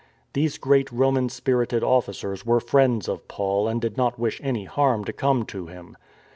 These great Roman spirited officers were friends of Paul and did not wish any harm to come to him.